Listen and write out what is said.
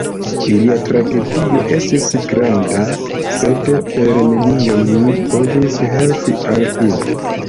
Ilia tragedio estis granda, sed per nenio mi povis helpi al ili.